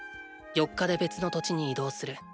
４日で別の土地に移動する。